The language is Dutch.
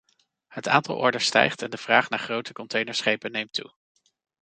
Het aantal orders stijgt en de vraag naar grote containerschepen neemt toe.